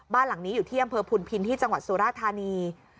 บ้านหลังนี้อยู่ที่อำเภอพุนพินที่จังหวัดสุราธานี